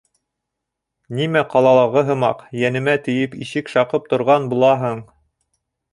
— Нимә ҡалалағы һымаҡ, йәнемә тейеп ишек шаҡып торған булаһың?